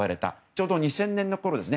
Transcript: ちょうど２０００年のころです。